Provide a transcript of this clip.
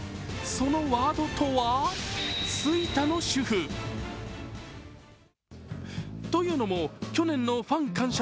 そのワードとは、吹田の主婦。というのも、去年のファン感謝